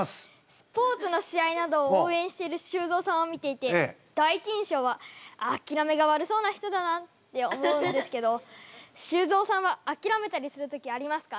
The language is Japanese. スポーツの試合などを応援している修造さんを見ていて第一印象はあきらめが悪そうな人だなって思うんですけど修造さんはあきらめたりする時ありますか？